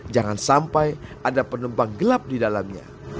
jangan sampai ada penebang gelap di dalamnya